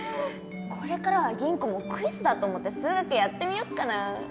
これからは吟子もクイズだと思って数学やってみよっかな。